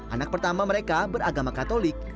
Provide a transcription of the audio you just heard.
anak pertama mereka beragama katolik